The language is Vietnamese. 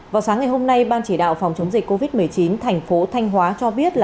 vào sáng ngày hôm nay ban chỉ đạo phòng chống dịch covid một mươi chín thành phố thanh hóa cho biết